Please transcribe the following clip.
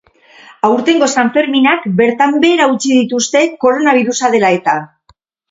Aurtengo sanferminak bertan behera utzi dituzte, koronabirusa dela-eta.